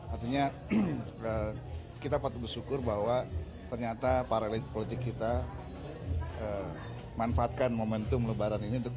artinya kita patut bersyukur bahwa ternyata para elit politik kita manfaatkan momentum lebaran ini